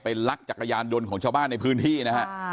ลักจักรยานยนต์ของชาวบ้านในพื้นที่นะฮะ